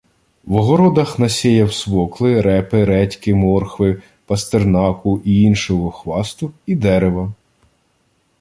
В огородах насєяв свокли, репи, редьки, морхви, пастернаку і іншого хвасту і дерева.